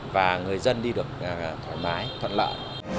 và người dân đi được thoải mái thuận lợi